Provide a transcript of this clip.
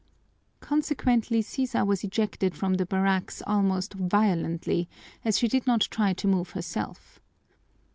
Consequently, Sisa was ejected from the barracks almost violently, as she did not try to move herself.